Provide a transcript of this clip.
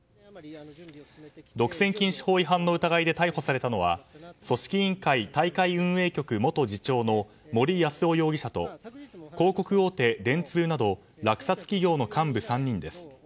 独占禁止法違反の疑いで逮捕されたのは組織委員会大会運営局元次長の森泰夫容疑者と広告大手・電通など落札企業の幹部３人です。